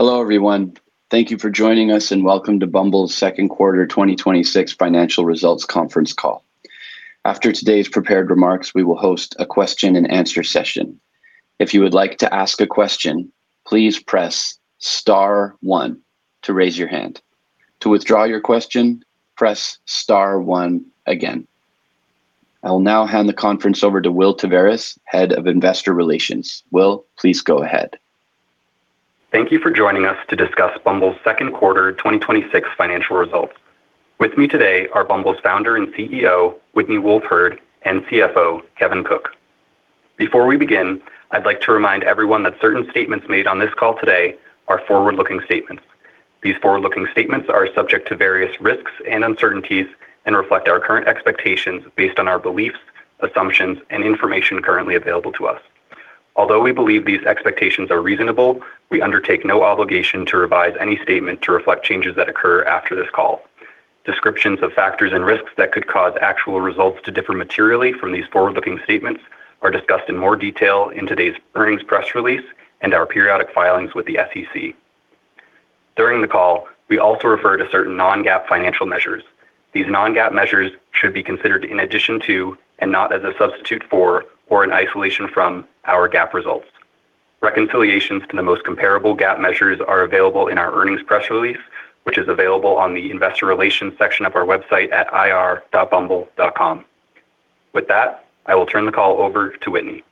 Hello, everyone. Thank you for joining us and welcome to Bumble's second quarter 2026 financial results conference call. After today's prepared remarks, we will host a question and answer session. If you would like to ask a question, please press star one to raise your hand. To withdraw your question, press star one again. I will now hand the conference over to Will Taveras, Head of Investor Relations. Will, please go ahead. Thank you for joining us to discuss Bumble's second quarter 2026 financial results. With me today are Bumble's Founder and CEO, Whitney Wolfe Herd, and CFO, Kevin Cook. Before we begin, I'd like to remind everyone that certain statements made on this call today are forward-looking statements. These forward-looking statements are subject to various risks and uncertainties and reflect our current expectations based on our beliefs, assumptions, and information currently available to us. Although we believe these expectations are reasonable, we undertake no obligation to revise any statement to reflect changes that occur after this call. Descriptions of factors and risks that could cause actual results to differ materially from these forward-looking statements are discussed in more detail in today's earnings press release and our periodic filings with the SEC. During the call, we also refer to certain non-GAAP financial measures. These non-GAAP measures should be considered in addition to and not as a substitute for or an isolation from our GAAP results. Reconciliations to the most comparable GAAP measures are available in our earnings press release, which is available on the investor relations section of our website at ir.bumble.com. With that, I will turn the call over to Whitney.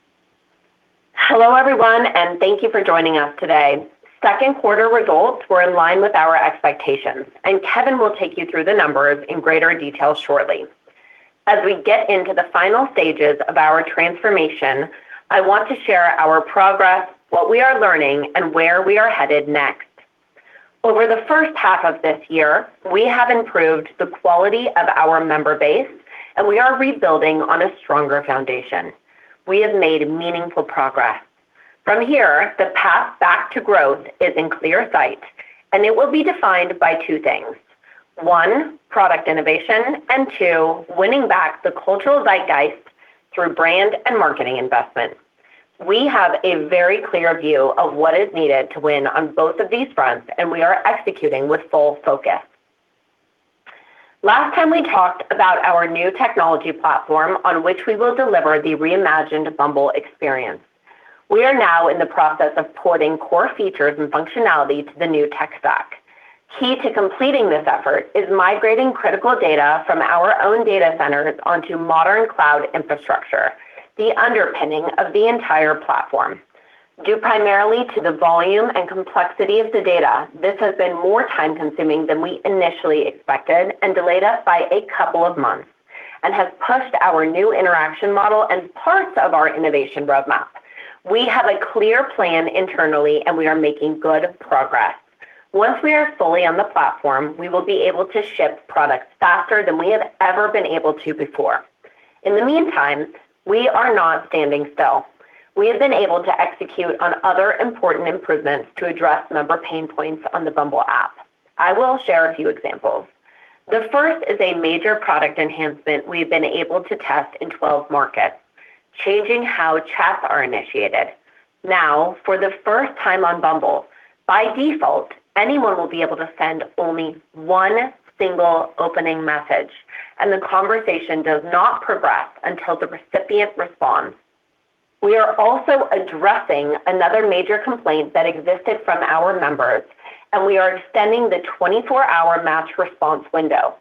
Hello, everyone, and thank you for joining us today. Second quarter results were in line with our expectations, and Kevin will take you through the numbers in greater detail shortly. As we get into the final stages of our transformation, I want to share our progress, what we are learning, and where we are headed next. Over the first half of this year, we have improved the quality of our member base, and we are rebuilding on a stronger foundation. We have made meaningful progress. From here, the path back to growth is in clear sight, and it will be defined by two things. One, product innovation, and two, winning back the cultural zeitgeist through brand and marketing investment. We have a very clear view of what is needed to win on both of these fronts, and we are executing with full focus. Last time we talked about our new technology platform on which we will deliver the reimagined Bumble experience. We are now in the process of porting core features and functionality to the new tech stack. Key to completing this effort is migrating critical data from our own data centers onto modern cloud infrastructure, the underpinning of the entire platform. Due primarily to the volume and complexity of the data, this has been more time-consuming than we initially expected and delayed us by 2 months and has pushed our new interaction model and parts of our innovation roadmap. We have a clear plan internally, and we are making good progress. Once we are fully on the platform, we will be able to ship products faster than we have ever been able to before. In the meantime, we are not standing still. We have been able to execute on other important improvements to address member pain points on the Bumble app. I will share a few examples. The first is a major product enhancement we've been able to test in 12 markets, changing how chats are initiated. Now, for the first time on Bumble, by default, anyone will be able to send only one single opening message, and the conversation does not progress until the recipient responds. We are also addressing another major complaint that existed from our members. We are extending the 24-hour match response window.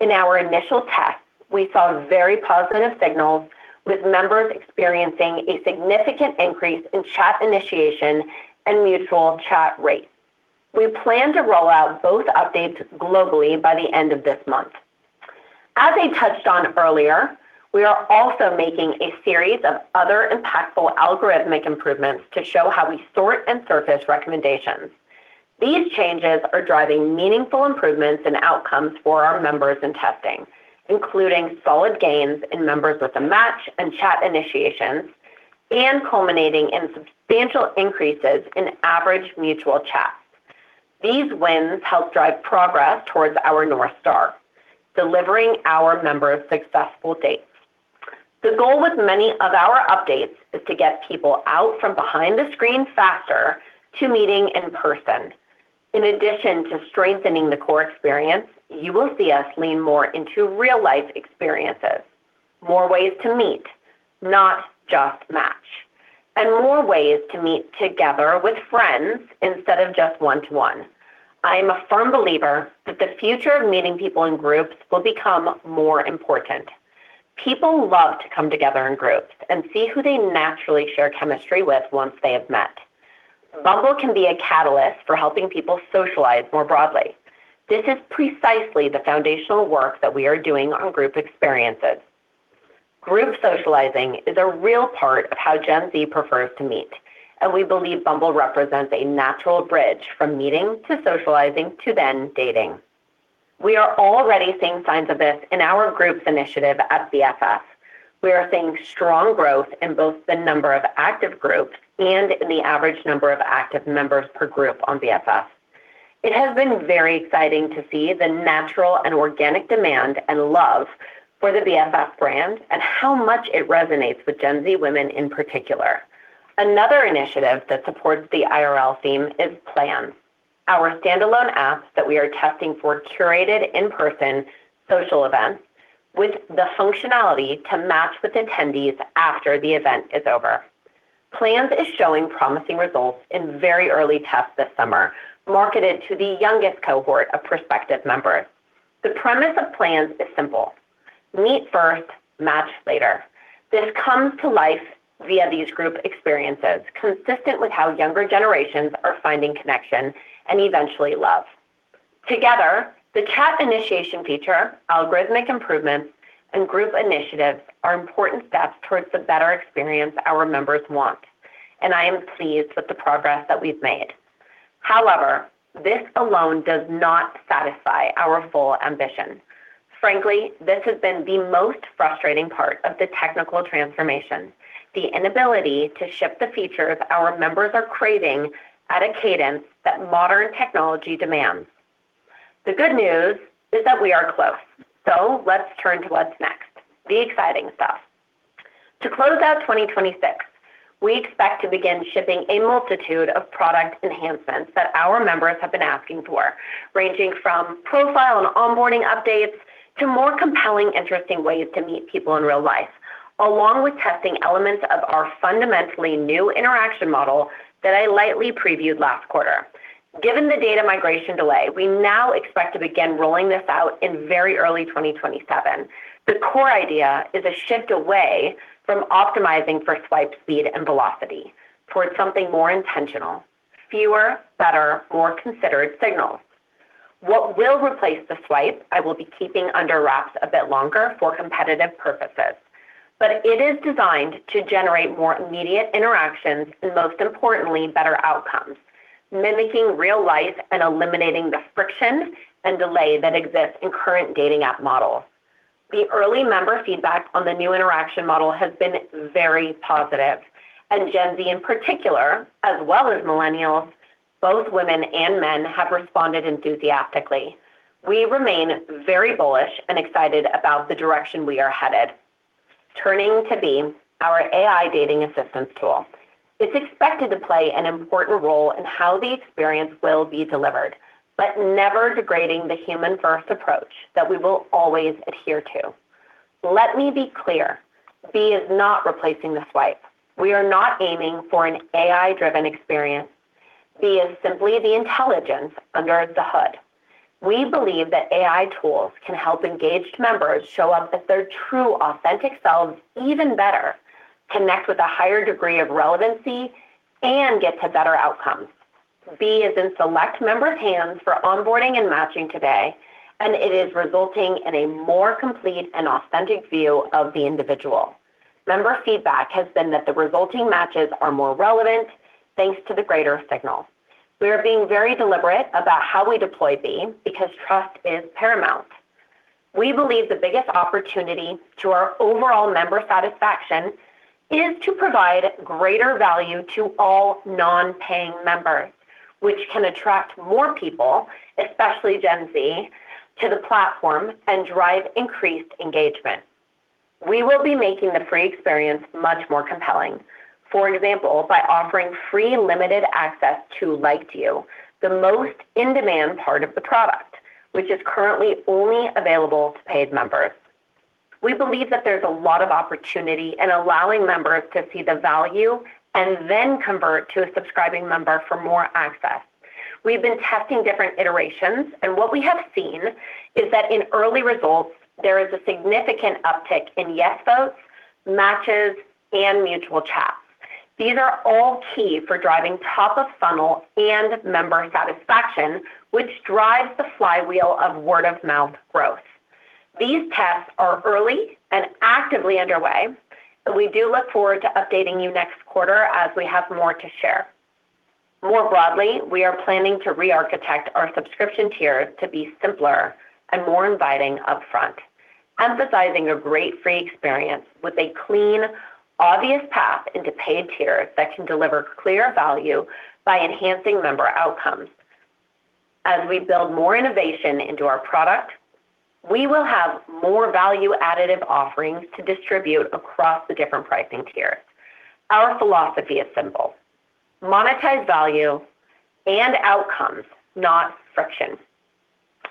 In our initial tests, we saw very positive signals with members experiencing a significant increase in chat initiation and mutual chat rates. We plan to roll out both updates globally by the end of this month. As I touched on earlier, we are also making a series of other impactful algorithmic improvements to show how we sort and surface recommendations. These changes are driving meaningful improvements and outcomes for our members in testing, including solid gains in members with a match and chat initiations. Culminating in substantial increases in average mutual chats, these wins help drive progress towards our North Star, delivering our members successful dates. The goal with many of our updates is to get people out from behind the screen faster to meeting in person. In addition to strengthening the core experience, you will see us lean more into real-life experiences, more ways to meet, not just match, and more ways to meet together with friends instead of just one-to-one. I am a firm believer that the future of meeting people in groups will become more important. People love to come together in groups and see who they naturally share chemistry with once they have met. Bumble can be a catalyst for helping people socialize more broadly. This is precisely the foundational work that we are doing on group experiences. Group socializing is a real part of how Gen Z prefers to meet. We believe Bumble represents a natural bridge from meeting to socializing to then dating. We are already seeing signs of this in our groups initiative at BFF. We are seeing strong growth in both the number of active groups and in the average number of active members per group on BFF. It has been very exciting to see the natural and organic demand and love for the BFF brand and how much it resonates with Gen Z women in particular. Another initiative that supports the IRL theme is Plans, our standalone app that we are testing for curated in-person social events with the functionality to match with attendees after the event is over. Plans is showing promising results in very early tests this summer, marketed to the youngest cohort of prospective members. The premise of Plans is simple: meet first, match later. This comes to life via these group experiences, consistent with how younger generations are finding connection and eventually love. Together, the chat initiation feature, algorithmic improvements, and group initiatives are important steps towards the better experience our members want, and I am pleased with the progress that we've made. This alone does not satisfy our full ambition. This has been the most frustrating part of the technical transformation, the inability to ship the features our members are craving at a cadence that modern technology demands. The good news is that we are close. Let's turn to what's next, the exciting stuff. To close out 2026, we expect to begin shipping a multitude of product enhancements that our members have been asking for, ranging from profile and onboarding updates to more compelling, interesting ways to meet people in real life, along with testing elements of our fundamentally new interaction model that I lightly previewed last quarter. Given the data migration delay, we now expect to begin rolling this out in very early 2027. The core idea is a shift away from optimizing for swipe speed and velocity towards something more intentional, fewer, better, more considered signals. What will replace the swipe, I will be keeping under wraps a bit longer for competitive purposes, but it is designed to generate more immediate interactions and, most importantly, better outcomes, mimicking real life and eliminating the friction and delay that exists in current dating app models. The early member feedback on the new interaction model has been very positive, and Gen Z in particular, as well as millennials, both women and men, have responded enthusiastically. We remain very bullish and excited about the direction we are headed. Turning to Bea, our AI dating assistance tool. It's expected to play an important role in how the experience will be delivered, but never degrading the human-first approach that we will always adhere to. Let me be clear, Bea is not replacing the swipe. We are not aiming for an AI-driven experience. Bea is simply the intelligence under the hood. We believe that AI tools can help engaged members show up as their true, authentic selves even better, connect with a higher degree of relevancy, and get to better outcomes. Bea is in select members' hands for onboarding and matching today, and it is resulting in a more complete and authentic view of the individual. Member feedback has been that the resulting matches are more relevant, thanks to the greater signal. We are being very deliberate about how we deploy Bea because trust is paramount. We believe the biggest opportunity to our overall member satisfaction is to provide greater value to all non-paying members, which can attract more people, especially Gen Z, to the platform and drive increased engagement. We will be making the free experience much more compelling. For example, by offering free limited access to Liked You, the most in-demand part of the product, which is currently only available to paid members. We believe that there's a lot of opportunity in allowing members to see the value and then convert to a subscribing member for more access. We've been testing different iterations, and what we have seen is that in early results, there is a significant uptick in yes votes, matches, and mutual chats. These are all key for driving top of funnel and member satisfaction, which drives the flywheel of word-of-mouth growth. These tests are early and actively underway, and we do look forward to updating you next quarter as we have more to share. More broadly, we are planning to rearchitect our subscription tiers to be simpler and more inviting upfront, emphasizing a great free experience with a clean, obvious path into paid tiers that can deliver clear value by enhancing member outcomes. As we build more innovation into our product, we will have more value-additive offerings to distribute across the different pricing tiers. Our philosophy is simple. Monetize value and outcomes, not friction.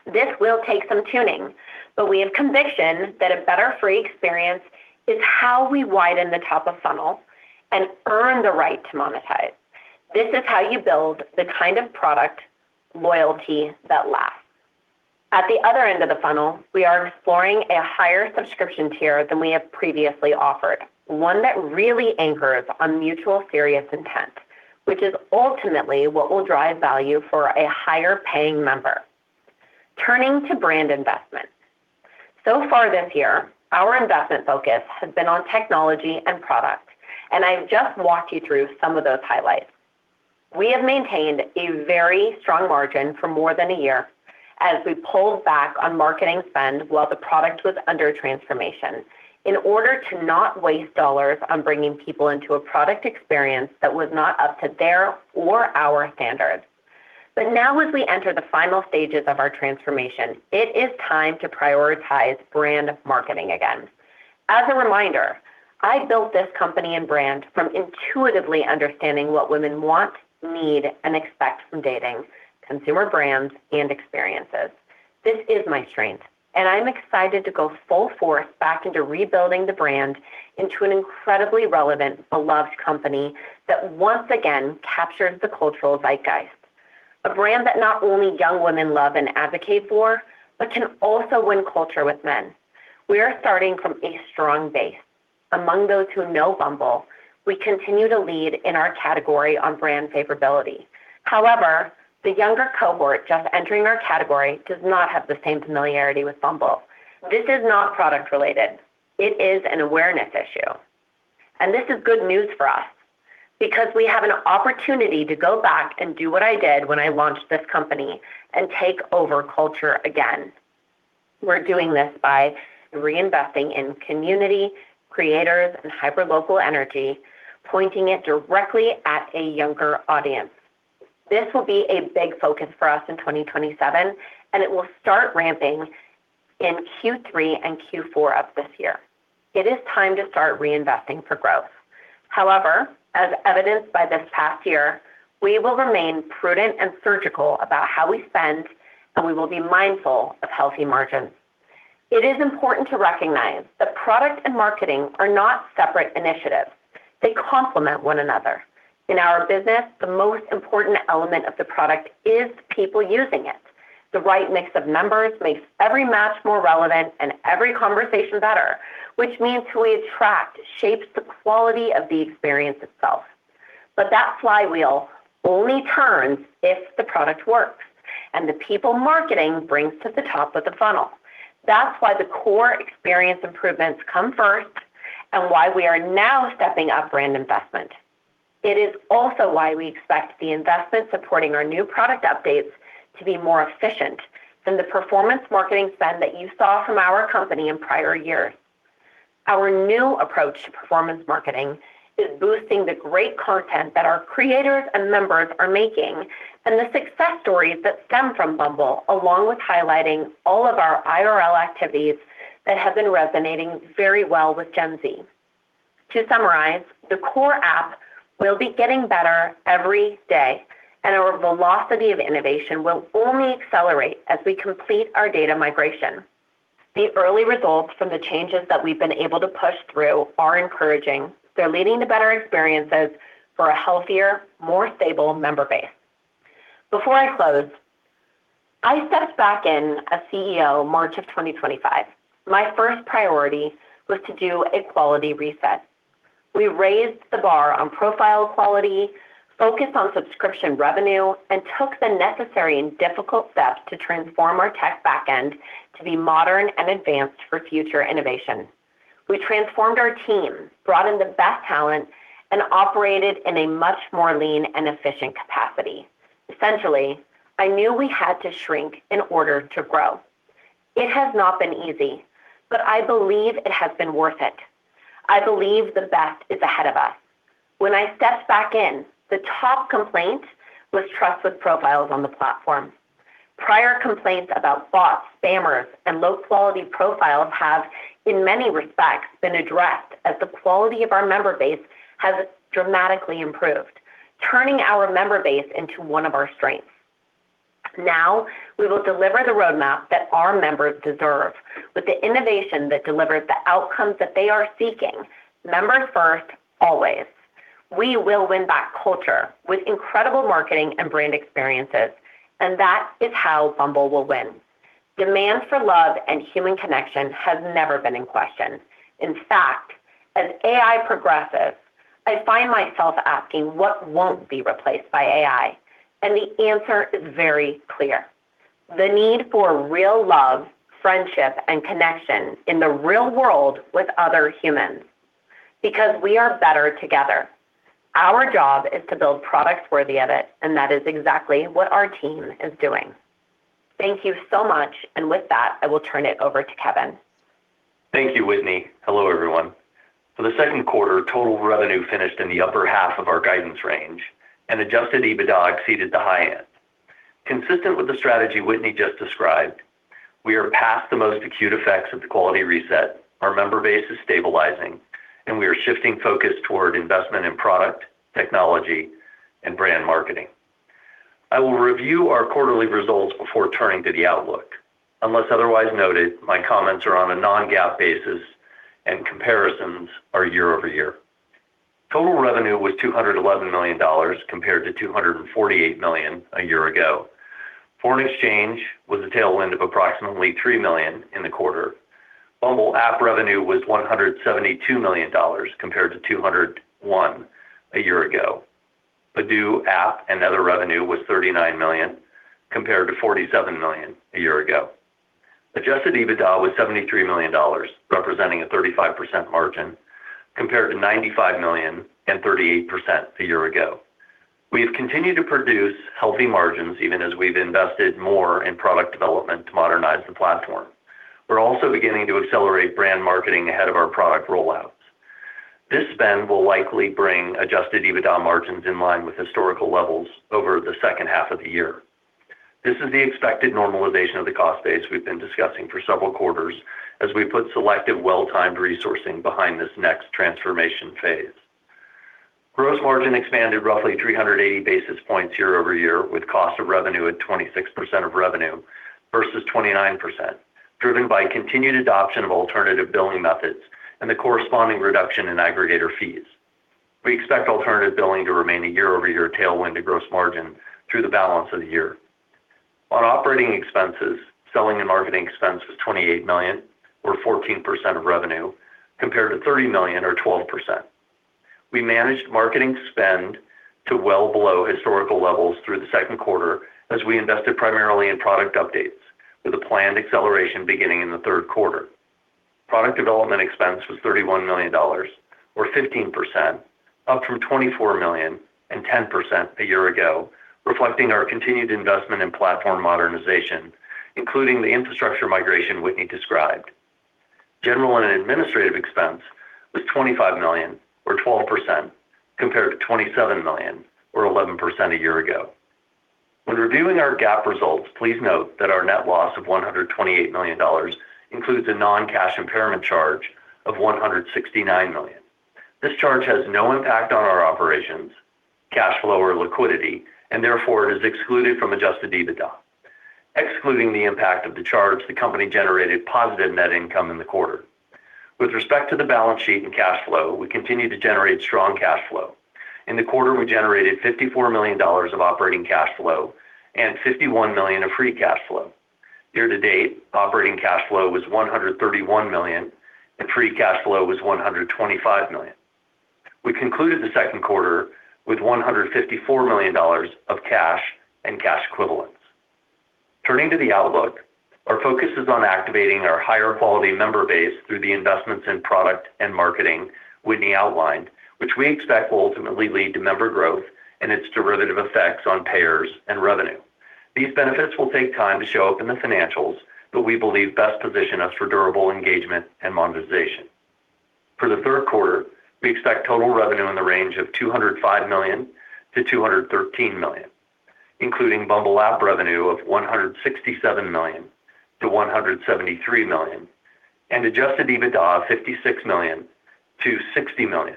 This will take some tuning, but we have conviction that a better free experience is how we widen the top of funnel and earn the right to monetize. This is how you build the kind of product loyalty that lasts. At the other end of the funnel, we are exploring a higher subscription tier than we have previously offered, one that really anchors on mutual serious intent, which is ultimately what will drive value for a higher-paying member. Turning to brand investment. So far this year, our investment focus has been on technology and product, and I've just walked you through some of those highlights. We have maintained a very strong margin for more than a year. As we pulled back on marketing spend while the product was under transformation, in order to not waste dollars on bringing people into a product experience that was not up to their or our standards. Now as we enter the final stages of our transformation, it is time to prioritize brand marketing again. As a reminder, I built this company and brand from intuitively understanding what women want, need, and expect from dating, consumer brands, and experiences. This is my strength, and I'm excited to go full force back into rebuilding the brand into an incredibly relevant, beloved company that once again captures the cultural zeitgeist. A brand that not only young women love and advocate for, but can also win culture with men. We are starting from a strong base. Among those who know Bumble, we continue to lead in our category on brand favorability. However, the younger cohort just entering our category does not have the same familiarity with Bumble. This is not product-related. It is an awareness issue. This is good news for us, because we have an opportunity to go back and do what I did when I launched this company and take over culture again. We're doing this by reinvesting in community, creators, and hyper-local energy, pointing it directly at a younger audience. This will be a big focus for us in 2027, and it will start ramping in Q3 and Q4 of this year. It is time to start reinvesting for growth. As evidenced by this past year, we will remain prudent and surgical about how we spend, and we will be mindful of healthy margins. It is important to recognize that product and marketing are not separate initiatives. They complement one another. In our business, the most important element of the product is people using it. The right mix of members makes every match more relevant and every conversation better, which means who we attract shapes the quality of the experience itself. That flywheel only turns if the product works and the people marketing brings to the top of the funnel. That's why the core experience improvements come first and why we are now stepping up brand investment. It is also why we expect the investment supporting our new product updates to be more efficient than the performance marketing spend that you saw from our company in prior years. Our new approach to performance marketing is boosting the great content that our creators and members are making and the success stories that stem from Bumble, along with highlighting all of our IRL activities that have been resonating very well with Gen Z. To summarize, the core app will be getting better every day, and our velocity of innovation will only accelerate as we complete our data migration. The early results from the changes that we've been able to push through are encouraging. They're leading to better experiences for a healthier, more stable member base. Before I close, I stepped back in as CEO March of 2025. My first priority was to do a quality reset. We raised the bar on profile quality, focused on subscription revenue, and took the necessary and difficult steps to transform our tech backend to be modern and advanced for future innovation. We transformed our team, brought in the best talent, and operated in a much more lean and efficient capacity. Essentially, I knew we had to shrink in order to grow. It has not been easy, but I believe it has been worth it. I believe the best is ahead of us. When I stepped back in, the top complaint was trust with profiles on the platform. Prior complaints about bots, spammers, and low-quality profiles have, in many respects, been addressed as the quality of our member base has dramatically improved, turning our member base into one of our strengths. Now, we will deliver the roadmap that our members deserve with the innovation that delivers the outcomes that they are seeking. Members first, always. We will win back culture with incredible marketing and brand experiences. That is how Bumble will win. Demand for love and human connection has never been in question. In fact, as AI progresses, I find myself asking what won't be replaced by AI? The answer is very clear. The need for real love, friendship, and connection in the real world with other humans. We are better together. Our job is to build products worthy of it. That is exactly what our team is doing. Thank you so much. With that, I will turn it over to Kevin. Thank you, Whitney. Hello, everyone. For the second quarter, total revenue finished in the upper half of our guidance range, and adjusted EBITDA exceeded the high end. Consistent with the strategy Whitney just described, we are past the most acute effects of the quality reset. Our member base is stabilizing, and we are shifting focus toward investment in product, technology, and brand marketing. I will review our quarterly results before turning to the outlook. Unless otherwise noted, my comments are on a non-GAAP basis and comparisons are year-over-year. Total revenue was $211 million compared to $248 million a year ago. Foreign exchange was a tailwind of approximately $3 million in the quarter. Bumble app revenue was $172 million, compared to $201 a year ago. Badoo app and other revenue was $39 million, compared to $47 million a year ago. Adjusted EBITDA was $73 million, representing a 35% margin compared to $95 million and 38% a year ago. We have continued to produce healthy margins, even as we've invested more in product development to modernize the platform. We're also beginning to accelerate brand marketing ahead of our product rollouts. This spend will likely bring adjusted EBITDA margins in line with historical levels over the second half of the year. This is the expected normalization of the cost base we've been discussing for several quarters as we put selective well-timed resourcing behind this next transformation phase. Gross margin expanded roughly 380 basis points year-over-year, with cost of revenue at 26% of revenue versus 29%, driven by continued adoption of alternative billing methods and the corresponding reduction in aggregator fees. We expect alternative billing to remain a year-over-year tailwind to gross margin through the balance of the year. On operating expenses, selling and marketing expense was $28 million, or 14% of revenue, compared to $30 million or 12%. We managed marketing spend to well below historical levels through the second quarter as we invested primarily in product updates with a planned acceleration beginning in the third quarter. Product development expense was $31 million or 15%, up from $24 million and 10% a year ago, reflecting our continued investment in platform modernization, including the infrastructure migration Whitney described. General and administrative expense was $25 million or 12%, compared to $27 million or 11% a year ago. When reviewing our GAAP results, please note that our net loss of $128 million includes a non-cash impairment charge of $169 million. This charge has no impact on our operations, cash flow or liquidity, and therefore it is excluded from adjusted EBITDA. Excluding the impact of the charge, the company generated positive net income in the quarter. With respect to the balance sheet and cash flow, we continue to generate strong cash flow. In the quarter, we generated $54 million of operating cash flow and $51 million of free cash flow. Year-to-date, operating cash flow was $131 million, and free cash flow was $125 million. We concluded the second quarter with $154 million of cash and cash equivalents. Turning to the outlook, our focus is on activating our higher quality member base through the investments in product and marketing Whitney outlined, which we expect will ultimately lead to member growth and its derivative effects on payers and revenue. These benefits will take time to show up in the financials, but we believe best position us for durable engagement and monetization. For the third quarter, we expect total revenue in the range of $205 million-$213 million, including Bumble app revenue of $167 million-$173 million, and adjusted EBITDA of $56 million-$60 million,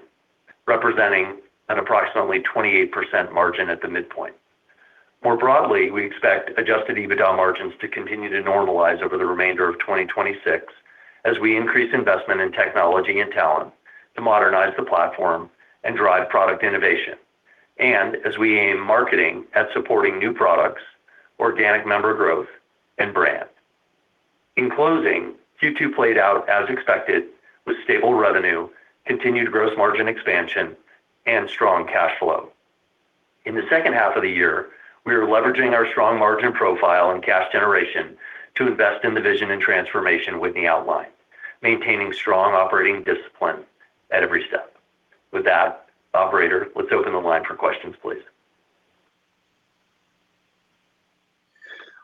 representing an approximately 28% margin at the midpoint. More broadly, we expect adjusted EBITDA margins to continue to normalize over the remainder of 2026 as we increase investment in technology and talent to modernize the platform and drive product innovation. As we aim marketing at supporting new products, organic member growth, and brand. In closing, Q2 played out as expected with stable revenue, continued gross margin expansion, and strong cash flow. In the second half of the year, we are leveraging our strong margin profile and cash generation to invest in the vision and transformation Whitney outlined, maintaining strong operating discipline at every step. With that, operator, let's open the line for questions, please.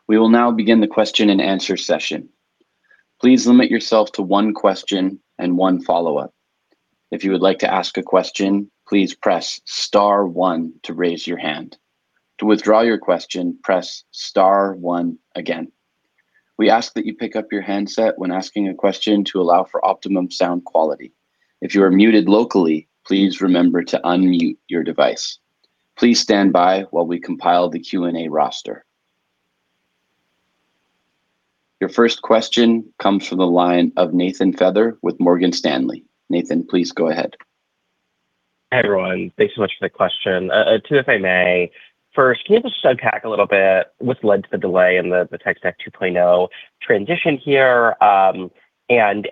We will now begin the question and answer session. Please limit yourself to one question and one follow-up. If you would like to ask a question, please press star one to raise your hand. To withdraw your question, press star one again. We ask that you pick up your handset when asking a question to allow for optimum sound quality. If you are muted locally, please remember to unmute your device. Please stand by while we compile the Q&A roster. Your first question comes from the line of Nathan Feather with Morgan Stanley. Nathan, please go ahead. Hi, everyone. Thanks so much for the question. Two if I may. First, can you just unpack a little bit what's led to the delay in the Tech Stack 2.0 transition here?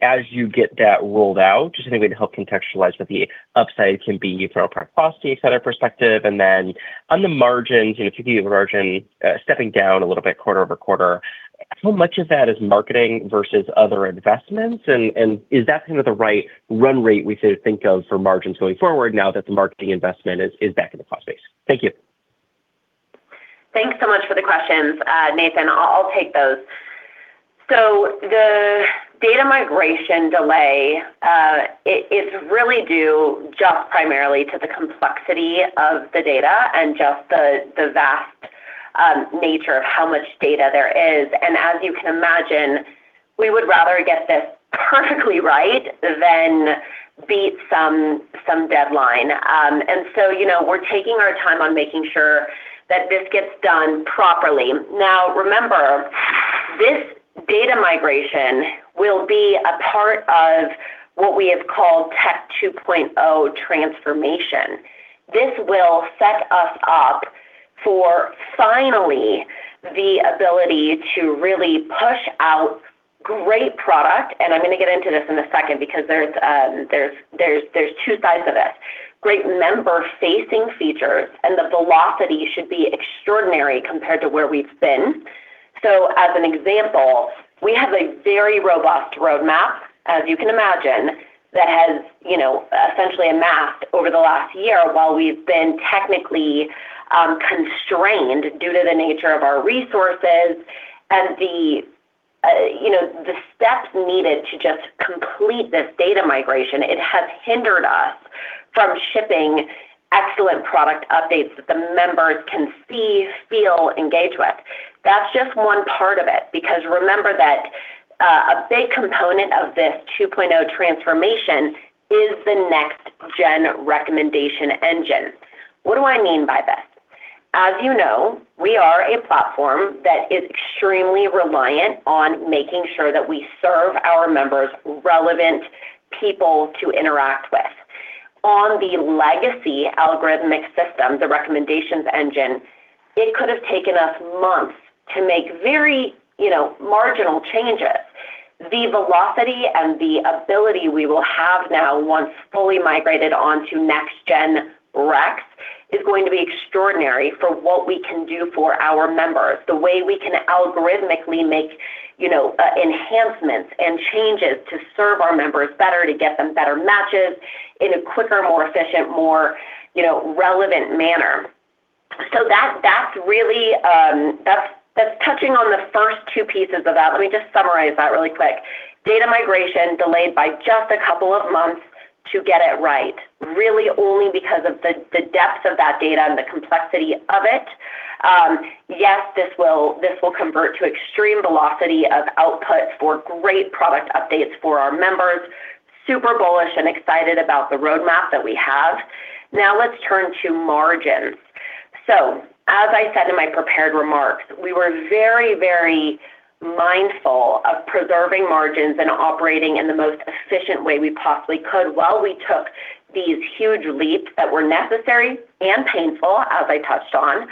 As you get that rolled out, just any way to help contextualize what the upside can be from a profitability et cetera perspective. On the margins, taking the margin stepping down a little bit quarter-over-quarter, how much of that is marketing versus other investments? Is that kind of the right run rate we should think of for margins going forward now that the marketing investment is back in the cost base? Thank you. Thanks so much for the questions, Nathan. I'll take those. The data migration delay, it is really due just primarily to the complexity of the data and just the vast nature of how much data there is. As you can imagine, we would rather get this perfectly right than beat some deadline. We're taking our time on making sure that this gets done properly. Remember, this data migration will be a part of what we have called Tech 2.0 transformation. This will set us up for finally the ability to really push out great product, and I'm going to get into this in a second because there's two sides of this. Great member-facing features and the velocity should be extraordinary compared to where we've been. As an example, we have a very robust roadmap, as you can imagine, that has essentially amassed over the last year while we've been technically constrained due to the nature of our resources and the steps needed to just complete this data migration. It has hindered us from shipping excellent product updates that the members can see, feel, engage with. That's just one part of it, because remember that a big component of this 2.0 transformation is the next-gen recommendation engine. What do I mean by this? As you know, we are a platform that is extremely reliant on making sure that we serve our members relevant people to interact with. On the legacy algorithmic system, the recommendations engine, it could have taken us months to make very marginal changes. The velocity and the ability we will have now once fully migrated onto next-gen recs is going to be extraordinary for what we can do for our members. The way we can algorithmically make enhancements and changes to serve our members better, to get them better matches in a quicker, more efficient, more relevant manner. That's touching on the first two pieces of that. Let me just summarize that really quick. Data migration delayed by just a couple of months to get it right, really only because of the depth of that data and the complexity of it. Yes, this will convert to extreme velocity of output for great product updates for our members, super bullish and excited about the roadmap that we have. Let's turn to margins. As I said in my prepared remarks, we were very mindful of preserving margins and operating in the most efficient way we possibly could while we took these huge leaps that were necessary and painful, as I touched on,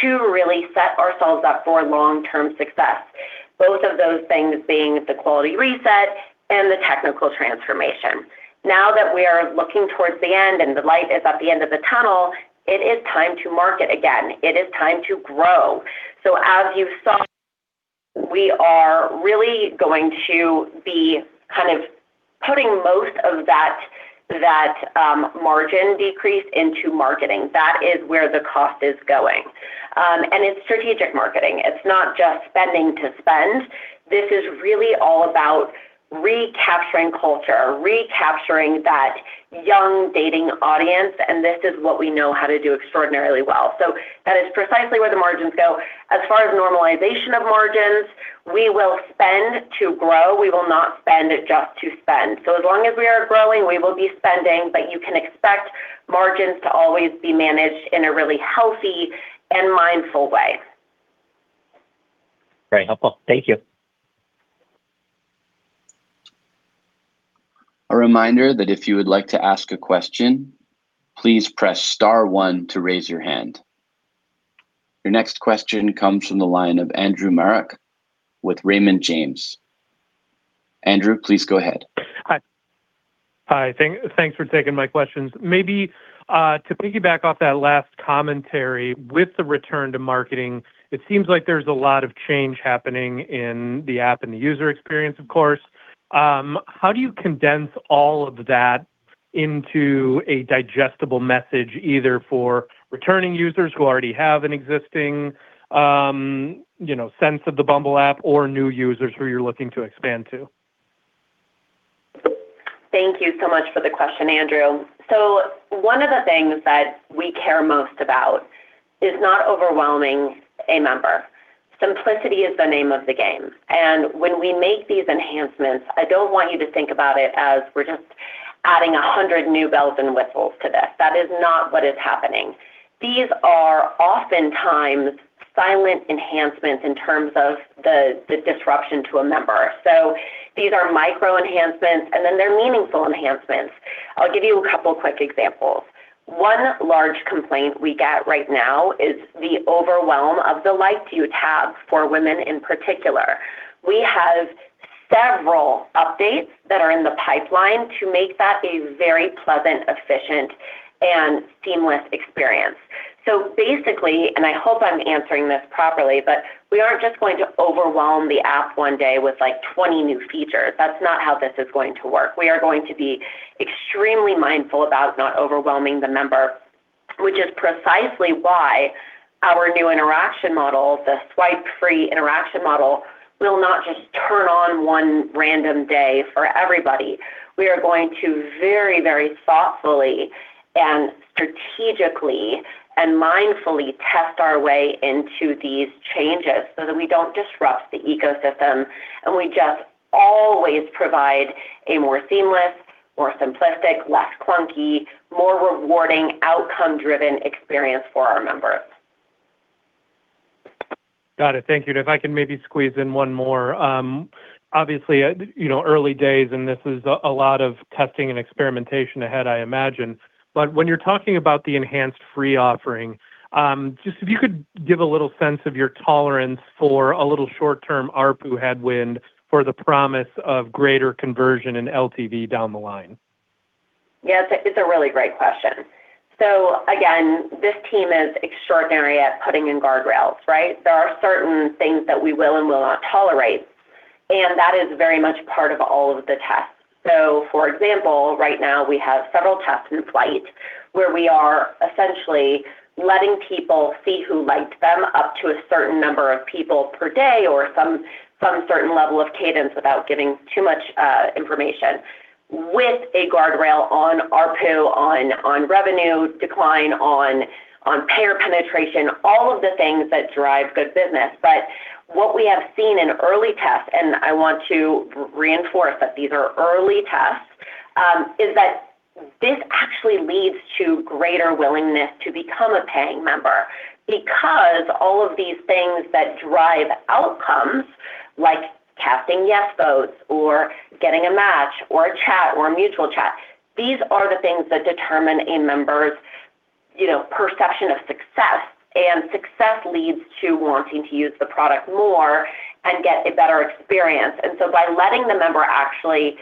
to really set ourselves up for long-term success. Both of those things being the quality reset and the technical transformation. That we are looking towards the end and the light is at the end of the tunnel, it is time to market again. It is time to grow. As you saw, we are really going to be kind of putting most of that margin decrease into marketing. That is where the cost is going. It's strategic marketing. It's not just spending to spend. This is really all about recapturing culture, recapturing that young dating audience, and this is what we know how to do extraordinarily well. That is precisely where the margins go. As far as normalization of margins, we will spend to grow. We will not spend just to spend. As long as we are growing, we will be spending, but you can expect margins to always be managed in a really healthy and mindful way. Very helpful. Thank you. A reminder that if you would like to ask a question, please press star one to raise your hand. Your next question comes from the line of Andrew Marok with Raymond James. Andrew, please go ahead. Hi. Thanks for taking my questions. Maybe to piggyback off that last commentary with the return to marketing, it seems like there's a lot of change happening in the app and the user experience, of course. How do you condense all of that into a digestible message, either for returning users who already have an existing sense of the Bumble app or new users who you're looking to expand to? Thank you so much for the question, Andrew. One of the things that we care most about is not overwhelming a member. Simplicity is the name of the game. When we make these enhancements, I don't want you to think about it as we're just adding 100 new bells and whistles to this. That is not what is happening. These are oftentimes silent enhancements in terms of the disruption to a member. These are micro enhancements, and then they're meaningful enhancements. I'll give you a couple quick examples. One large complaint we get right now is the overwhelm of the Liked You tab for women in particular. We have several updates that are in the pipeline to make that a very pleasant, efficient, and seamless experience. Basically, and I hope I'm answering this properly, but we aren't just going to overwhelm the app one day with 20 new features. That's not how this is going to work. We are going to be extremely mindful about not overwhelming the member, which is precisely why our new interaction model, the swipe-free interaction model, will not just turn on one random day for everybody. We are going to very thoughtfully and strategically and mindfully test our way into these changes so that we don't disrupt the ecosystem and we just always provide a more seamless, more simplistic, less clunky, more rewarding, outcome-driven experience for our members. Got it. Thank you. If I can maybe squeeze in one more. Obviously, early days, and this is a lot of testing and experimentation ahead, I imagine. When you're talking about the enhanced free offering, just if you could give a little sense of your tolerance for a little short-term ARPU headwind for the promise of greater conversion in LTV down the line. Yeah, it's a really great question. Again, this team is extraordinary at putting in guardrails, right? There are certain things that we will and will not tolerate, and that is very much part of all of the tests. For example, right now we have several tests in flight where we are essentially letting people see who liked them up to a certain number of people per day or some certain level of cadence without giving too much information with a guardrail on ARPU, on revenue decline, on payer penetration, all of the things that drive good business. What we have seen in early tests, and I want to reinforce that these are early tests, is that this actually leads to greater willingness to become a paying member because all of these things that drive outcomes like casting yes votes or getting a match or a chat or a mutual chat, these are the things that determine a member's perception of success. Success leads to wanting to use the product more and get a better experience. By letting the member actually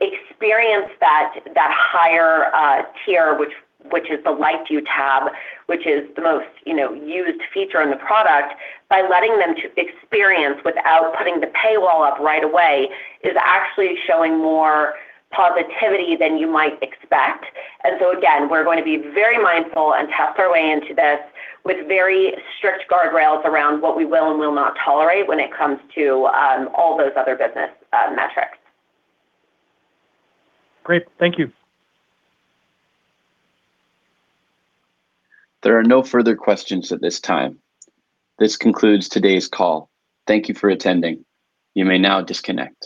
experience that higher tier, which is the Liked You tab, which is the most used feature in the product, by letting them experience without putting the paywall up right away, is actually showing more positivity than you might expect. Again, we're going to be very mindful and test our way into this with very strict guardrails around what we will and will not tolerate when it comes to all those other business metrics. Great. Thank you. There are no further questions at this time. This concludes today's call. Thank you for attending. You may now disconnect.